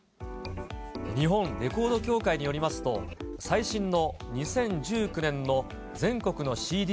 日本レコード協会によりますと、最新の２０１９年の全国のＣＤ